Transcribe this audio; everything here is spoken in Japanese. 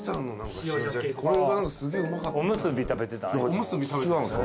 おむすび食べてたん？